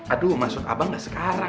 aduh masuk abang gak sekarang